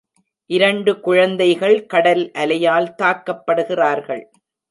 இரண்டு குழந்தைகள் கடல் அலையால் தாக்கப்படுகிறார்கள்